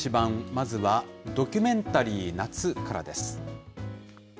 まずは、ドキュメンタリー夏からです。